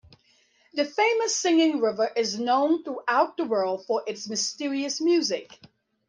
The famous Singing River is known throughout the world for its mysterious music.